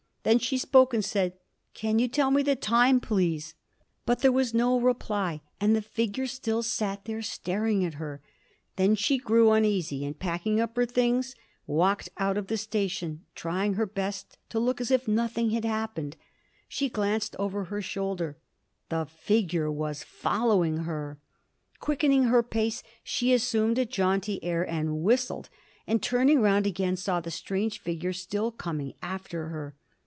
Then she spoke and said, "Can you tell me the time, please?" But there was no reply, and the figure still sat there staring at her. Then she grew uneasy and, packing up her things, walked out of the station, trying her best to look as if nothing had occurred. She glanced over her shoulder; the figure was following her. Quickening her pace, she assumed a jaunty air and whistled, and turning round again, saw the strange figure still coming after her.